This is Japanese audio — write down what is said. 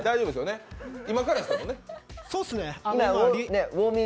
そうですね。